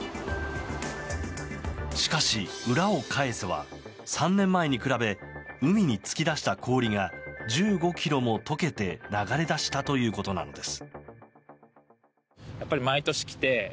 しかし裏を返せば、３年前に比べ海に突き出した氷が１５ｋｍも解けて流れ出したということなのです。